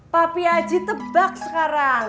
papi aji tebak sekarang